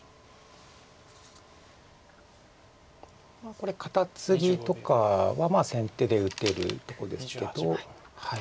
これカタツギとかは先手で打てるとこですけど。